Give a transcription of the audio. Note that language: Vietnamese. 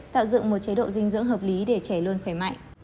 tạo dựng một chế độ dinh dưỡng hợp lý để trẻ luôn khỏe mạnh